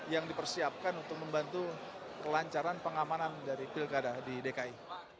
yang dipersiapkan untuk membantu kelancaran pengamanan dari pilkada di dki